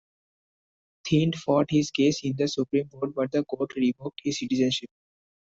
Thind fought his case in the Supreme Court but the court revoked his citizenship.